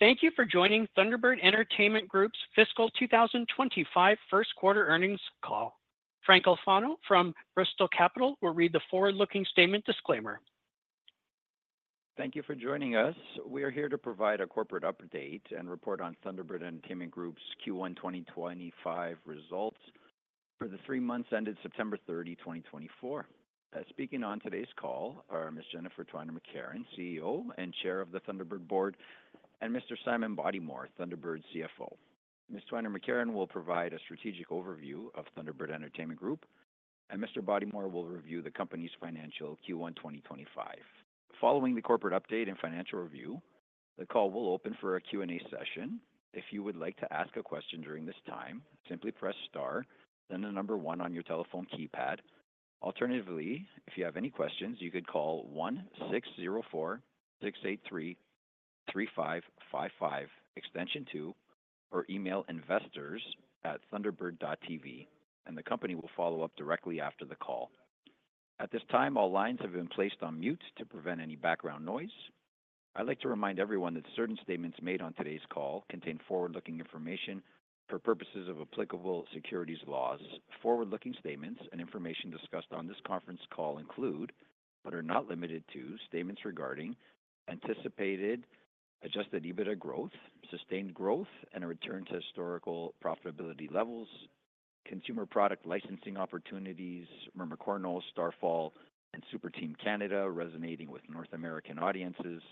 Thank you for joining Thunderbird Entertainment Group's fiscal 2025 first quarter earnings call. Frank Alfano from Bristol Capital will read the forward-looking statement disclaimer. Thank you for joining us. We are here to provide a corporate update and report on Thunderbird Entertainment Group's Q1 2025 results for the three months ended September 30, 2024. Speaking on today's call are Ms. Jennifer Twiner-McCarron, CEO and Chair of the Thunderbird Board, and Mr. Simon Bodymore, Thunderbird CFO. Ms. Twiner-McCarron will provide a strategic overview of Thunderbird Entertainment Group, and Mr. Bodymore will review the company's financial Q1 2025. Following the corporate update and financial review, the call will open for a Q&A session. If you would like to ask a question during this time, simply press star, then the number one on your telephone keypad. Alternatively, if you have any questions, you could call 1-604-683-3555, extension two, or email investors@thunderbird.tv, and the company will follow up directly after the call. At this time, all lines have been placed on mute to prevent any background noise. I'd like to remind everyone that certain statements made on today's call contain forward-looking information for purposes of applicable securities laws. Forward-looking statements and information discussed on this conference call include, but are not limited to, statements regarding anticipated Adjusted EBITDA growth, sustained growth, and a return to historical profitability levels, consumer product licensing opportunities, Mermicorno: Starfall, and Super Team Canada resonating with North American audiences,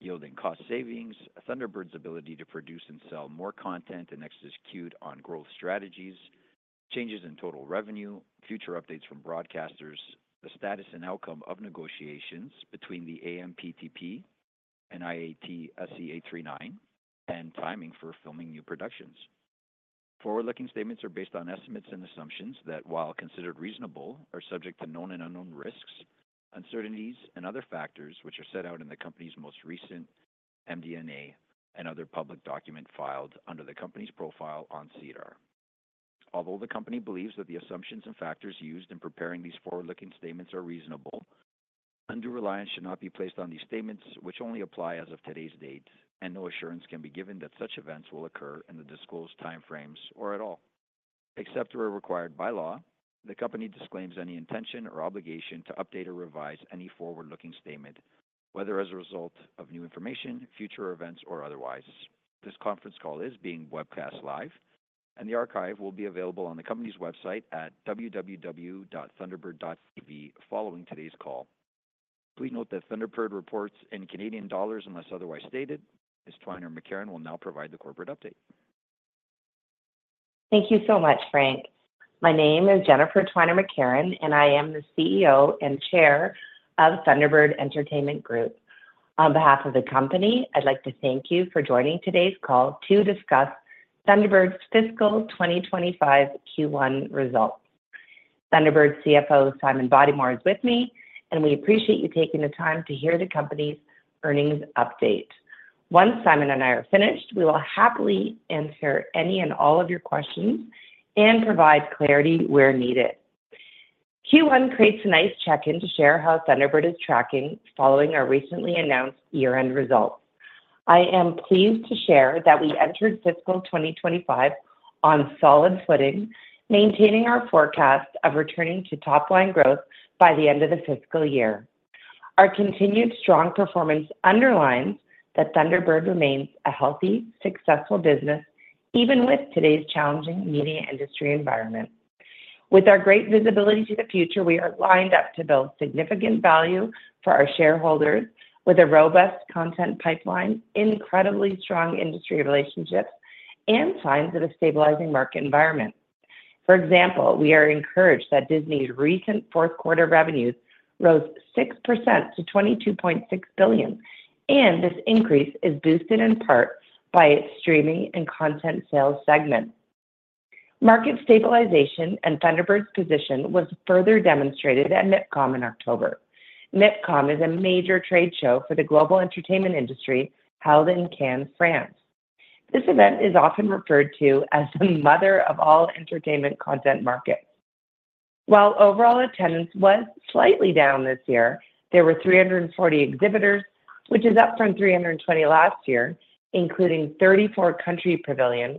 yielding cost savings, Thunderbird's ability to produce and sell more content and execute on growth strategies, changes in total revenue, future updates from broadcasters, the status and outcome of negotiations between the AMPTP and IATSE 839, and timing for filming new productions. Forward-looking statements are based on estimates and assumptions that, while considered reasonable, are subject to known and unknown risks, uncertainties, and other factors which are set out in the company's most recent MD&A and other public documents filed under the company's profile on SEDAR. Although the company believes that the assumptions and factors used in preparing these forward-looking statements are reasonable, undue reliance should not be placed on these statements, which only apply as of today's date, and no assurance can be given that such events will occur in the disclosed timeframes or at all. Except where required by law, the company disclaims any intention or obligation to update or revise any forward-looking statement, whether as a result of new information, future events, or otherwise. This conference call is being webcast live, and the archive will be available on the company's website at www.thunderbird.tv following today's call. Please note that Thunderbird reports in Canadian dollars unless otherwise stated. Ms. Twiner-McCarron will now provide the corporate update. Thank you so much, Frank. My name is Jennifer Twiner-McCarron, and I am the CEO and Chair of Thunderbird Entertainment Group. On behalf of the company, I'd like to thank you for joining today's call to discuss Thunderbird's fiscal 2025 Q1 results. Thunderbird CFO Simon Bodymore is with me, and we appreciate you taking the time to hear the company's earnings update. Once Simon and I are finished, we will happily answer any and all of your questions and provide clarity where needed. Q1 creates a nice check-in to share how Thunderbird is tracking following our recently announced year-end results. I am pleased to share that we entered fiscal 2025 on solid footing, maintaining our forecast of returning to top-line growth by the end of the fiscal year. Our continued strong performance underlines that Thunderbird remains a healthy, successful business even with today's challenging media industry environment. With our great visibility to the future, we are lined up to build significant value for our shareholders with a robust content pipeline, incredibly strong industry relationships, and signs of a stabilizing market environment. For example, we are encouraged that Disney's recent fourth-quarter revenues rose 6% to $22.6 billion, and this increase is boosted in part by its streaming and content sales segment. Market stabilization and Thunderbird's position was further demonstrated at MIPCOM in October. MIPCOM is a major trade show for the global entertainment industry held in Cannes, France. This event is often referred to as the mother of all entertainment content markets. While overall attendance was slightly down this year, there were 340 exhibitors, which is up from 320 last year, including 34 country pavilions,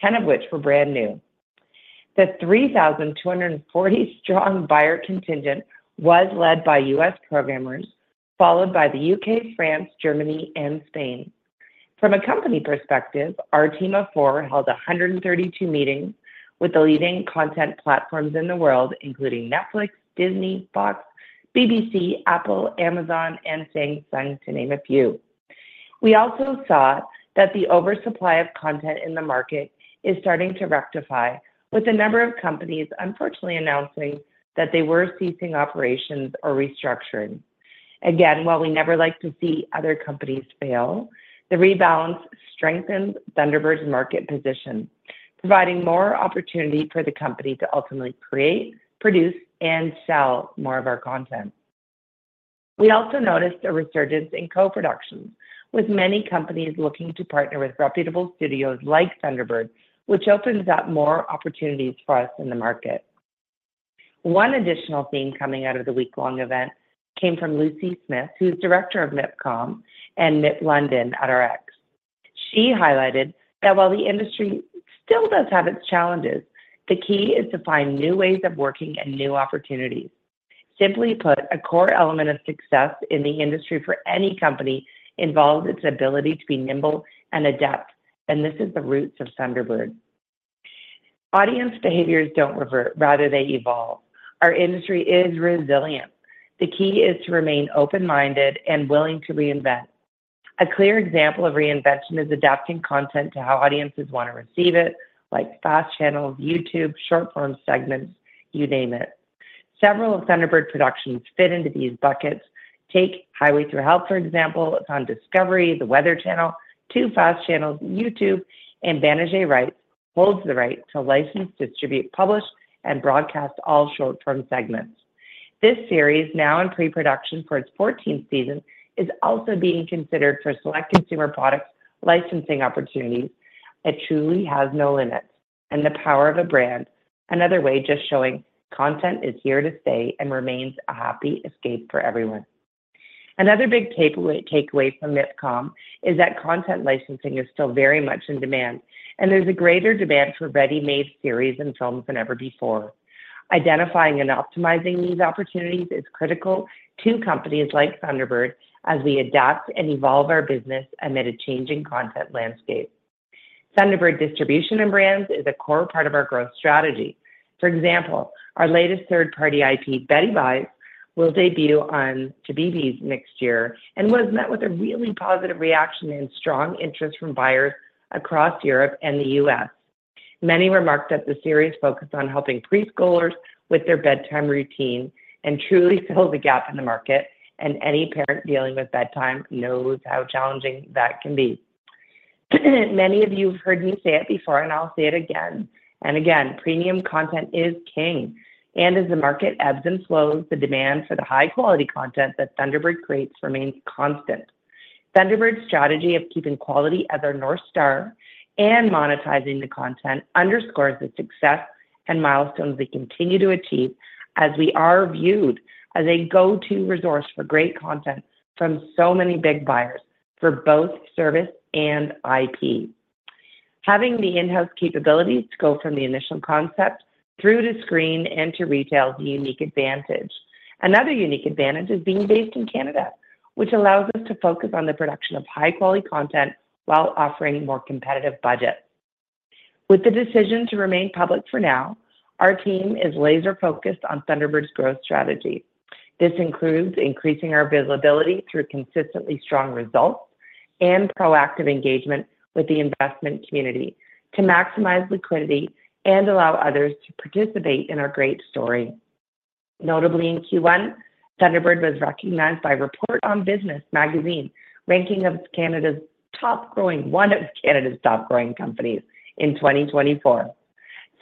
10 of which were brand new. The 3,240-strong buyer contingent was led by U.S. programmers, followed by the U.K., France, Germany, and Spain. From a company perspective, our team of four held 132 meetings with the leading content platforms in the world, including Netflix, Disney, Fox, BBC, Apple, Amazon, and Samsung, to name a few. We also saw that the oversupply of content in the market is starting to rectify, with a number of companies unfortunately announcing that they were ceasing operations or restructuring. Again, while we never like to see other companies fail, the rebalance strengthens Thunderbird's market position, providing more opportunity for the company to ultimately create, produce, and sell more of our content. We also noticed a resurgence in co-productions, with many companies looking to partner with reputable studios like Thunderbird, which opens up more opportunities for us in the market. One additional theme coming out of the week-long event came from Lucy Smith, who is director of MIPCOM and MIPLondon at RX. She highlighted that while the industry still does have its challenges, the key is to find new ways of working and new opportunities. Simply put, a core element of success in the industry for any company involves its ability to be nimble and adapt, and this is the roots of Thunderbird. Audience behaviors don't revert. Rather, they evolve. Our industry is resilient. The key is to remain open-minded and willing to reinvent. A clear example of reinvention is adapting content to how audiences want to receive it, like FAST channels, YouTube, short-form segments, you name it. Several of Thunderbird productions fit into these buckets. Take Highway Thru Hell, for example. It's on Discovery, The Weather Channel, two FAST channels, YouTube, and Banijay Rights holds the right to license, distribute, publish, and broadcast all short-form segments. This series, now in pre-production for its 14th season, is also being considered for select consumer products, licensing opportunities. It truly has no limits, and the power of a brand, another way just showing content is here to stay and remains a happy escape for everyone. Another big takeaway from MIPCOM is that content licensing is still very much in demand, and there's a greater demand for ready-made series and films than ever before. Identifying and optimizing these opportunities is critical to companies like Thunderbird as we adapt and evolve our business amid a changing content landscape. Thunderbird Distribution and Brands is a core part of our growth strategy. For example, our latest third-party IP, BeddyByes, will debut on CBeebies next year and was met with a really positive reaction and strong interest from buyers across Europe and the U.S. Many remarked that the series focused on helping preschoolers with their bedtime routine and truly filled the gap in the market, and any parent dealing with bedtime knows how challenging that can be. Many of you have heard me say it before, and I'll say it again and again: premium content is king, and as the market ebbs and flows, the demand for the high-quality content that Thunderbird creates remains constant. Thunderbird's strategy of keeping quality as our North Star and monetizing the content underscores the success and milestones we continue to achieve as we are viewed as a go-to resource for great content from so many big buyers for both service and IP. Having the in-house capabilities to go from the initial concept through to screen and to retail is a unique advantage. Another unique advantage is being based in Canada, which allows us to focus on the production of high-quality content while offering more competitive budgets. With the decision to remain public for now, our team is laser-focused on Thunderbird's growth strategy. This includes increasing our visibility through consistently strong results and proactive engagement with the investment community to maximize liquidity and allow others to participate in our great story. Notably, in Q1, Thunderbird was recognized by Report on Business magazine, ranking it as one of Canada's top-growing companies in 2024.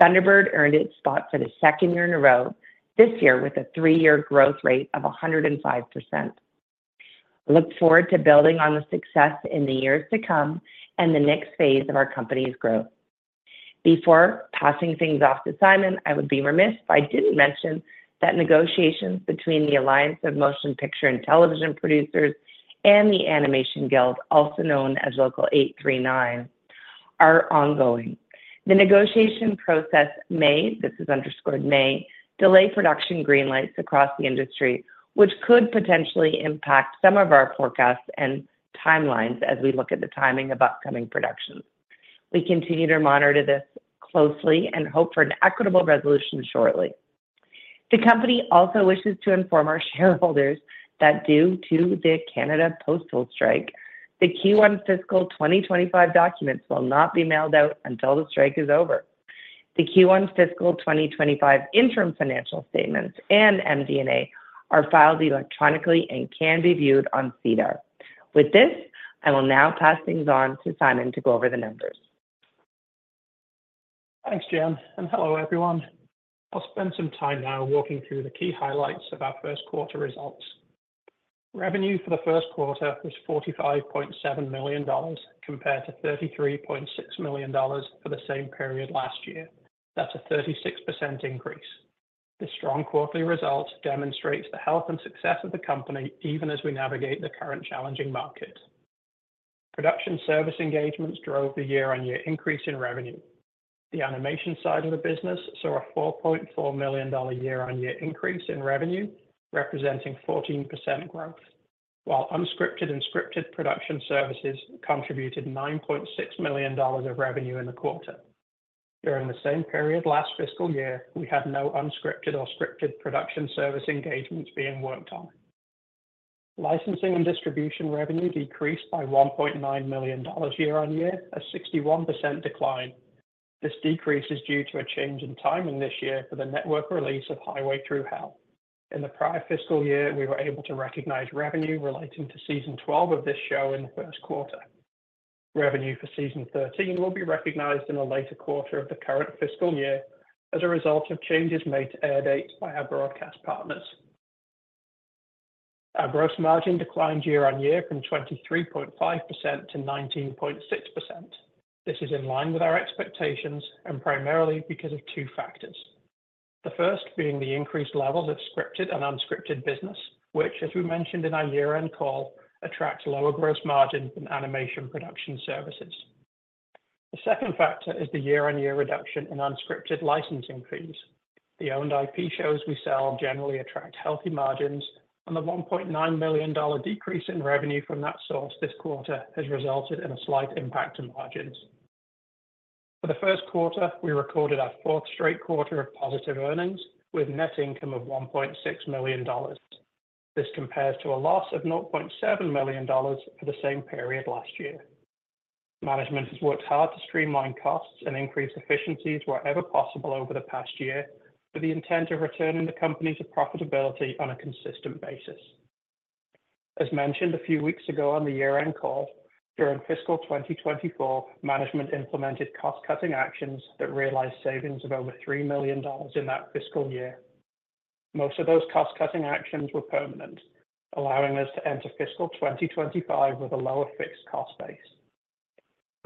Thunderbird earned its spot for the second year in a row, this year with a three-year growth rate of 105%. I look forward to building on the success in the years to come and the next phase of our company's growth. Before passing things off to Simon, I would be remiss if I didn't mention that negotiations between the Alliance of Motion Picture and Television Producers and the Animation Guild, also known as Local 839, are ongoing. The negotiation process may, this is underscored may, delay production greenlights across the industry, which could potentially impact some of our forecasts and timelines as we look at the timing of upcoming productions. We continue to monitor this closely and hope for an equitable resolution shortly. The company also wishes to inform our shareholders that due to the Canada Post strike, the Q1 fiscal 2025 documents will not be mailed out until the strike is over. The Q1 fiscal 2025 interim financial statements and MD&A are filed electronically and can be viewed on SEDAR. With this, I will now pass things on to Simon to go over the numbers. Thanks, Jen, and hello, everyone. I'll spend some time now walking through the key highlights of our first-quarter results. Revenue for the first quarter was 45.7 million dollars compared to 33.6 million dollars for the same period last year. That's a 36% increase. The strong quarterly results demonstrate the health and success of the company even as we navigate the current challenging market. Production service engagements drove the year-on-year increase in revenue. The animation side of the business saw a 4.4 million dollar year-on-year increase in revenue, representing 14% growth, while unscripted and scripted production services contributed 9.6 million dollars of revenue in the quarter. During the same period last fiscal year, we had no unscripted or scripted production service engagements being worked on. Licensing and distribution revenue decreased by 1.9 million dollars year-on-year, a 61% decline. This decrease is due to a change in timing this year for the network release of Highway Thru Hell. In the prior fiscal year, we were able to recognize revenue relating to season 12 of this show in the first quarter. Revenue for season 13 will be recognized in the later quarter of the current fiscal year as a result of changes made to air dates by our broadcast partners. Our gross margin declined year-on-year from 23.5% to 19.6%. This is in line with our expectations and primarily because of two factors. The first being the increased levels of scripted and unscripted business, which, as we mentioned in our year-end call, attracts lower gross margins than animation production services. The second factor is the year-on-year reduction in unscripted licensing fees. The owned IP shows we sell generally attract healthy margins, and the 1.9 million dollar decrease in revenue from that source this quarter has resulted in a slight impact on margins. For the first quarter, we recorded our fourth straight quarter of positive earnings with net income of 1.6 million dollars. This compares to a loss of 0.7 million dollars for the same period last year. Management has worked hard to streamline costs and increase efficiencies wherever possible over the past year with the intent of returning the company to profitability on a consistent basis. As mentioned a few weeks ago on the year-end call, during fiscal 2024, management implemented cost-cutting actions that realized savings of over 3 million dollars in that fiscal year. Most of those cost-cutting actions were permanent, allowing us to enter fiscal 2025 with a lower fixed cost base.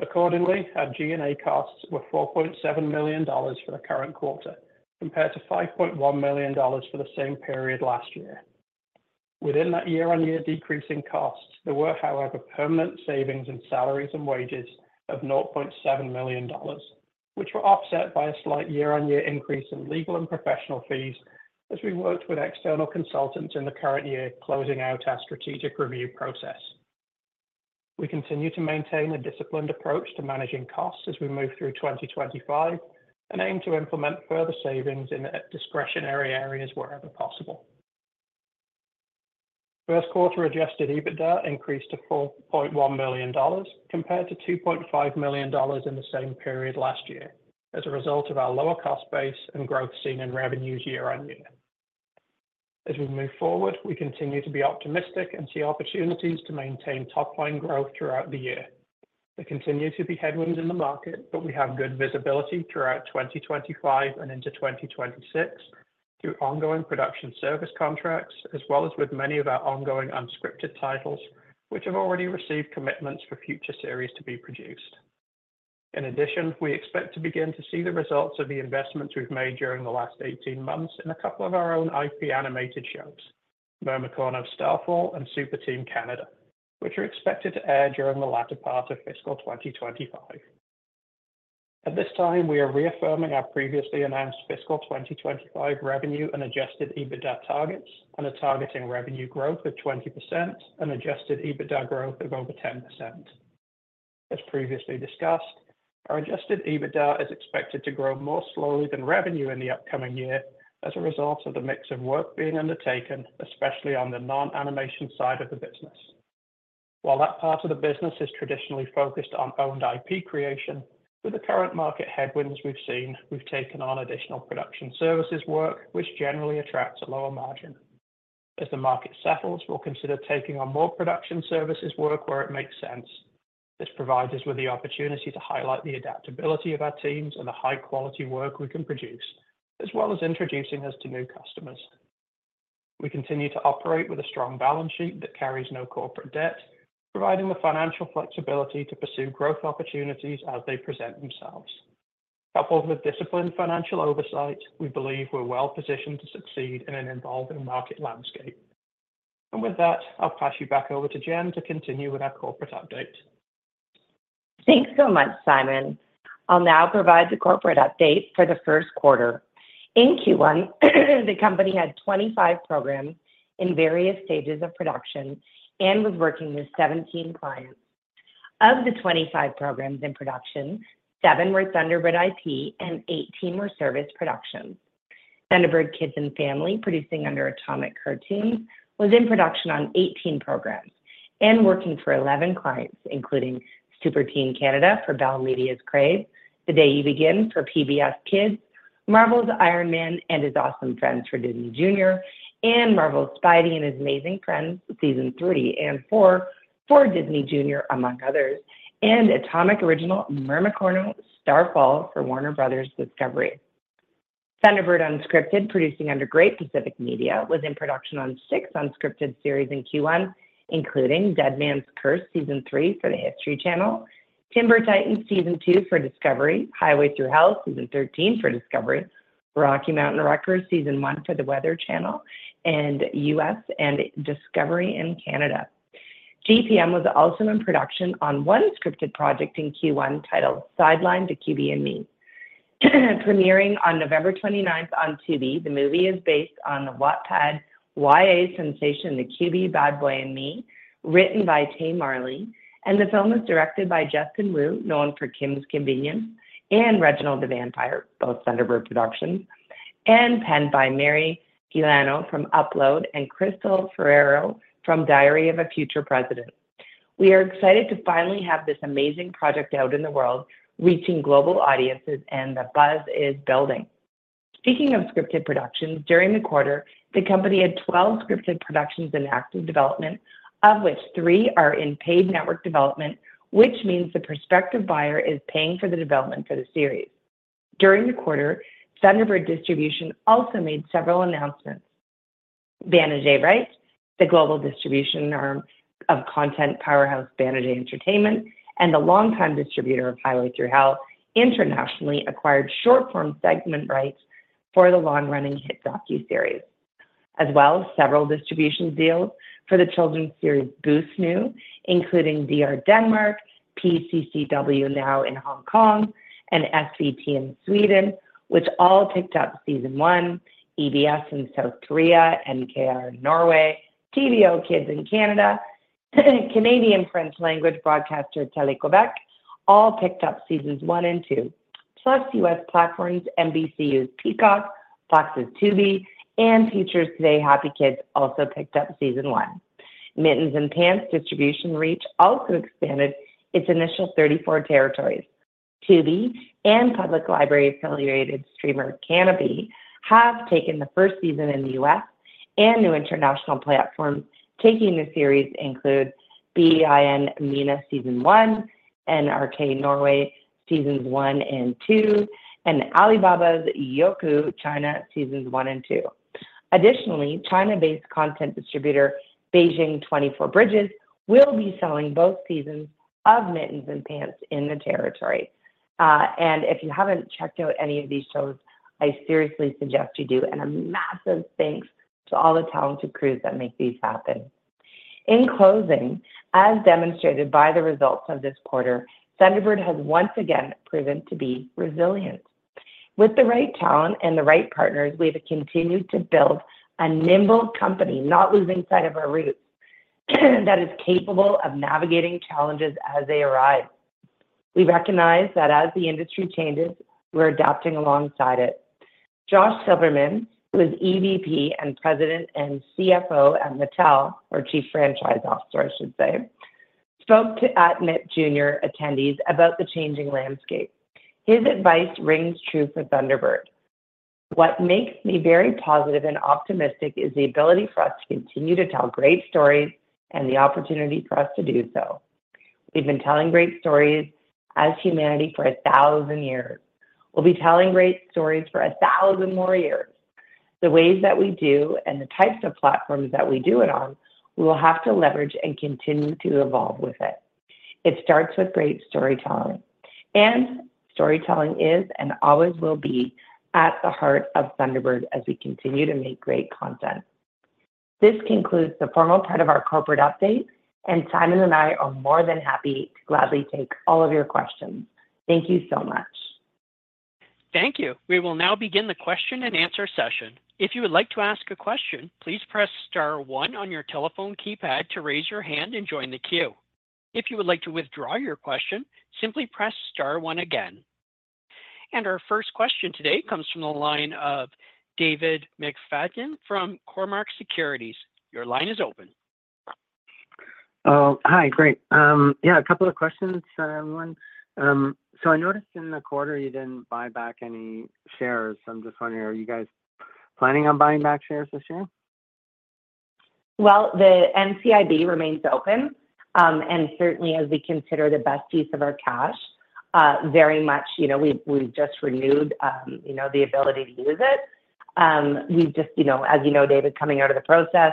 Accordingly, our G&A costs were 4.7 million dollars for the current quarter compared to 5.1 million dollars for the same period last year. Within that year-on-year decrease in costs, there were, however, permanent savings in salaries and wages of 0.7 million dollars, which were offset by a slight year-on-year increase in legal and professional fees as we worked with external consultants in the current year closing out our strategic review process. We continue to maintain a disciplined approach to managing costs as we move through 2025 and aim to implement further savings in discretionary areas wherever possible. First-quarter Adjusted EBITDA increased to 4.1 million dollars compared to 2.5 million dollars in the same period last year as a result of our lower cost base and growth seen in revenues year-on-year. As we move forward, we continue to be optimistic and see opportunities to maintain top-line growth throughout the year. There continue to be headwinds in the market, but we have good visibility throughout 2025 and into 2026 through ongoing production service contracts, as well as with many of our ongoing unscripted titles, which have already received commitments for future series to be produced. In addition, we expect to begin to see the results of the investments we've made during the last 18 months in a couple of our own IP animated shows, Mermicorno: Starfall and Super Team Canada, which are expected to air during the latter part of fiscal 2025. At this time, we are reaffirming our previously announced fiscal 2025 revenue and Adjusted EBITDA targets and are targeting revenue growth of 20% and Adjusted EBITDA growth of over 10%. As previously discussed, our Adjusted EBITDA is expected to grow more slowly than revenue in the upcoming year as a result of the mix of work being undertaken, especially on the non-animation side of the business. While that part of the business is traditionally focused on owned IP creation, with the current market headwinds we've seen, we've taken on additional production services work, which generally attracts a lower margin. As the market settles, we'll consider taking on more production services work where it makes sense. This provides us with the opportunity to highlight the adaptability of our teams and the high-quality work we can produce, as well as introducing us to new customers. We continue to operate with a strong balance sheet that carries no corporate debt, providing the financial flexibility to pursue growth opportunities as they present themselves. Coupled with disciplined financial oversight, we believe we're well positioned to succeed in an evolving market landscape. And with that, I'll pass you back over to Jen to continue with our corporate update. Thanks so much, Simon. I'll now provide the corporate update for the first quarter. In Q1, the company had 25 programs in various stages of production and was working with 17 clients. Of the 25 programs in production, 7 were Thunderbird IP and 18 were service productions. Thunderbird Kids and Family, producing under Atomic Cartoons, was in production on 18 programs and working for 11 clients, including Super Team Canada for Bell Media's Crave, The Day You Begin for PBS Kids, Marvel's Iron Man and His Awesome Friends for Disney Jr., and Marvel's Spidey and His Amazing Friends for season 3 and 4 for Disney Jr., among others, and Atomic Original, Mermicorno: Starfall for Warner Bros. Discovery. Thunderbird Unscripted, producing under Great Pacific Media, was in production on six unscripted series in Q1, including Deadman's Curse season three for The History Channel, Timber Titans season two for Discovery, Highway Thru Hell season 13 for Discovery, Rocky Mountain Wreckers season one for The Weather Channel in the U.S. and Discovery in Canada. GPM was also in production on one scripted project in Q1 titled Sidelined: The QB and Me. Premiering on November 29 on TV, the movie is based on the Wattpad YA sensation The QB Bad Boy and Me, written by Tay Marley, and the film is directed by Justin Wu, known for Kim's Convenience and Reginald the Vampire, both Thunderbird Productions, and penned by Mary Giuliano from Upload and Krystle Peluso from Diary of a Future President. We are excited to finally have this amazing project out in the world, reaching global audiences, and the buzz is building. Speaking of scripted productions, during the quarter, the company had 12 scripted productions in active development, of which three are in paid network development, which means the prospective buyer is paying for the development for the series. During the quarter, Thunderbird Distribution also made several announcements. Banijay Rights, the global distribution arm of content powerhouse Banijay Entertainment and the longtime distributor of Highway Thru Hell, internationally acquired short-form segment rights for the long-running hit docuseries, as well as several distribution deals for the children's series BooSnoo!, including DR Denmark, PCCW Now in Hong Kong, and SVT in Sweden, which all picked up season one. EBS in South Korea, NRK in Norway, TVO Kids in Canada, Canadian French language broadcaster Télé-Québec all picked up seasons one and two, plus U.S. platforms NBCU's Peacock, Fox's Tubi, and Future Today HappyKids also picked up season one. Mittens and Pants distribution reach also expanded its initial 34 territories. Tubi and public library-affiliated streamer Kanopy have taken the first season in the U.S., and new international platforms taking the series include beIN MENA season one and NRK Norway seasons one and two, and Alibaba's Youku China seasons one and two. Additionally, China-based content distributor Beijing 24 Bridges will be selling both seasons of Mittens and Pants in the territory. If you haven't checked out any of these shows, I seriously suggest you do, and a massive thanks to all the talented crews that make these happen. In closing, as demonstrated by the results of this quarter, Thunderbird has once again proven to be resilient. With the right talent and the right partners, we have continued to build a nimble company, not losing sight of our roots, that is capable of navigating challenges as they arise. We recognize that as the industry changes, we're adapting alongside it. Josh Silverman, who is EVP and President and CFO at Mattel, or Chief Franchise Officer, I should say, spoke to MIP Jr. attendees about the changing landscape. His advice rings true for Thunderbird. What makes me very positive and optimistic is the ability for us to continue to tell great stories and the opportunity for us to do so. We've been telling great stories as humanity for a thousand years. We'll be telling great stories for a thousand more years. The ways that we do and the types of platforms that we do it on, we will have to leverage and continue to evolve with it. It starts with great storytelling, and storytelling is and always will be at the heart of Thunderbird as we continue to make great content. This concludes the formal part of our corporate update, and Simon and I are more than happy to gladly take all of your questions. Thank you so much. Thank you. We will now begin the question and answer session. If you would like to ask a question, please press star one on your telephone keypad to raise your hand and join the queue. If you would like to withdraw your question, simply press star one again. Our first question today comes from the line of David McFadgen from Cormark Securities. Your line is open. Hi, great. Yeah, a couple of questions, everyone. So I noticed in the quarter you didn't buy back any shares. I'm just wondering, are you guys planning on buying back shares this year? The NCIB remains open, and certainly as we consider the best use of our cash, very much, you know, we've just renewed the ability to use it. We've just, you know, as you know, David, coming out of the process,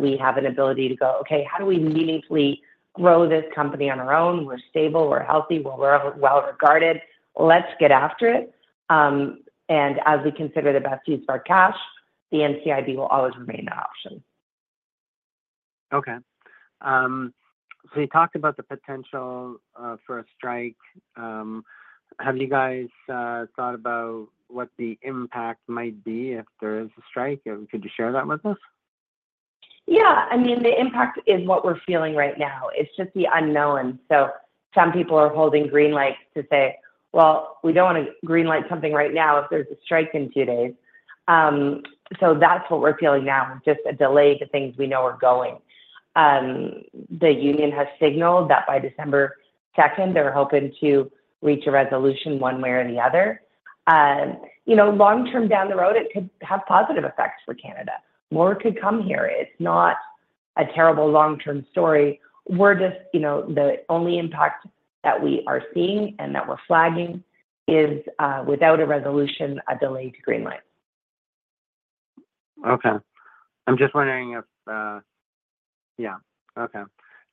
we have an ability to go, okay, how do we meaningfully grow this company on our own? We're stable, we're healthy, we're well regarded. Let's get after it. As we consider the best use of our cash, the NCIB will always remain that option. Okay. So you talked about the potential for a strike. Have you guys thought about what the impact might be if there is a strike? Could you share that with us? Yeah. I mean, the impact is what we're feeling right now. It's just the unknown. So some people are holding green lights to say, well, we don't want to greenlight something right now if there's a strike in two days. So that's what we're feeling now, just a delay to things we know are going. The union has signaled that by December 2, they're hoping to reach a resolution one way or the other. You know, long-term down the road, it could have positive effects for Canada. More could come here. It's not a terrible long-term story. We're just, you know, the only impact that we are seeing and that we're flagging is without a resolution, a delay to greenlight. Okay. I'm just wondering if, yeah, okay.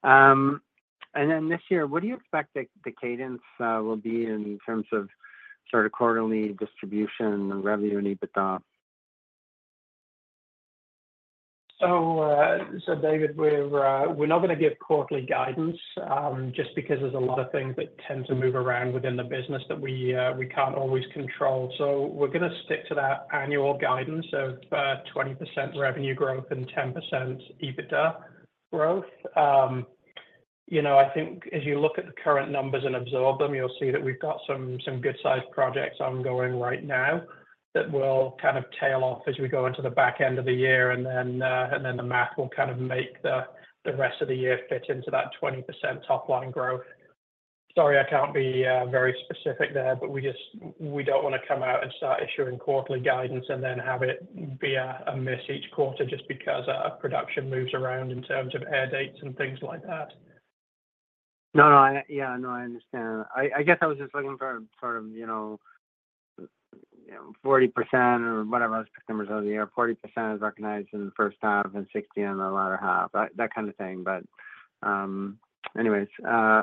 And then this year, what do you expect the cadence will be in terms of sort of quarterly distribution and revenue and EBITDA? David, we're not going to give quarterly guidance just because there's a lot of things that tend to move around within the business that we can't always control. We're going to stick to that annual guidance of 20% revenue growth and 10% EBITDA growth. You know, I think as you look at the current numbers and absorb them, you'll see that we've got some good-sized projects ongoing right now that will kind of tail off as we go into the back end of the year, and then the math will kind of make the rest of the year fit into that 20% top-line growth. Sorry, I can't be very specific there, but we just, we don't want to come out and start issuing quarterly guidance and then have it be a miss each quarter just because production moves around in terms of air dates and things like that. No, no, yeah, no, I understand. I guess I was just looking for sort of, you know, 40% or whatever those numbers are this year. 40% is recognized in the first half and 60% in the latter half, that kind of thing. But anyways,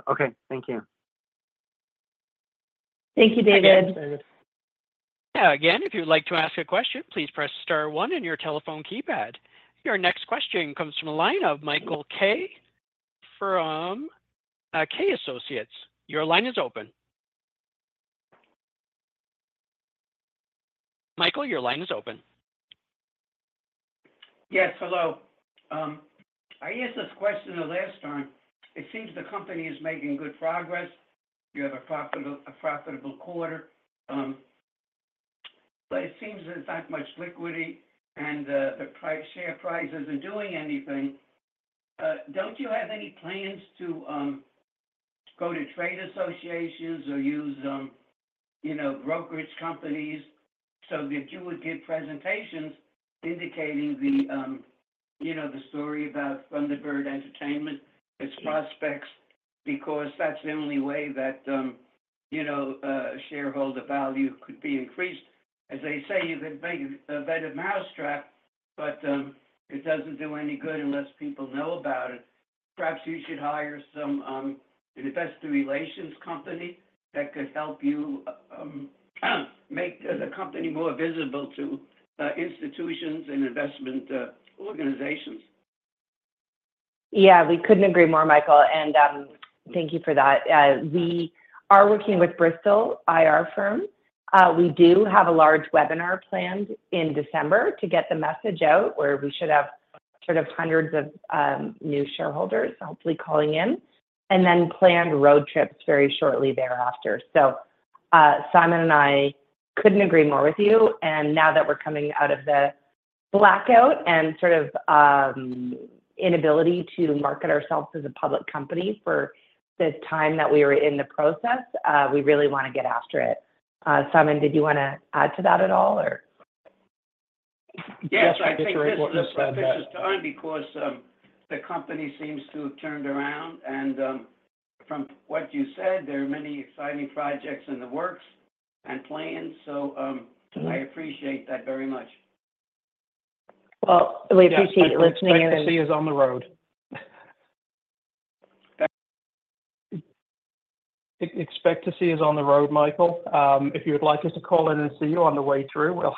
okay, thank you. Thank you, David. Yeah, again, if you'd like to ask a question, please press star one in your telephone keypad. Your next question comes from the line of Michael Kay from Kay Associates. Your line is open. Michael, your line is open. Yes, hello. I asked this question the last time. It seems the company is making good progress. You have a profitable quarter. But it seems there's not much liquidity and the share price isn't doing anything. Don't you have any plans to go to trade associations or use, you know, brokerage companies so that you would get presentations indicating the, you know, the story about Thunderbird Entertainment, its prospects, because that's the only way that, you know, shareholder value could be increased. As they say, you could make a better mousetrap, but it doesn't do any good unless people know about it. Perhaps you should hire some investor relations company that could help you make the company more visible to institutions and investment organizations. Yeah, we couldn't agree more, Michael. And thank you for that. We are working with Bristol IR Firm. We do have a large webinar planned in December to get the message out where we should have sort of hundreds of new shareholders hopefully calling in and then planned road trips very shortly thereafter. So Simon and I couldn't agree more with you. And now that we're coming out of the blackout and sort of inability to market ourselves as a public company for the time that we were in the process, we really want to get after it. Simon, did you want to add to that at all, or? Yes, I think it's important to add that because the company seems to have turned around, and from what you said, there are many exciting projects in the works and plans, so I appreciate that very much. We appreciate you listening. Expect to see us on the road. Expect to see us on the road, Michael. If you would like us to call in and see you on the way through, we'll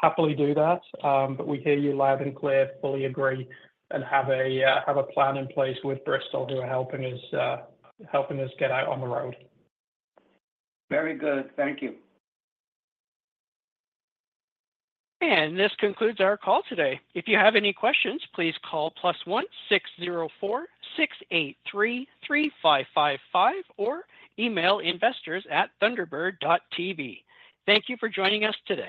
happily do that. But we hear you loud and clear, fully agree, and have a plan in place with Bristol who are helping us get out on the road. Very good. Thank you. This concludes our call today. If you have any questions, please call +1 604-683-3555 or email investors@thunderbird.tv. Thank you for joining us today.